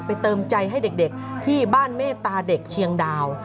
เติมใจให้เด็กที่บ้านเมตตาเด็กเชียงดาว